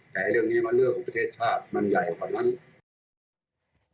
แต่เรื่องนี้มันเรื่องของประเทศชาติมันใหญ่กว่านั้น